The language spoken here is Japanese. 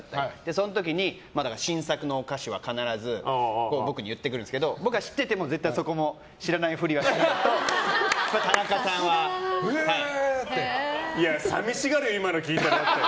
その時に新作のお菓子は必ず僕に行ってくるんですけど僕は知ってても知らないふりをしないと寂しがるよ、今の聞いたら。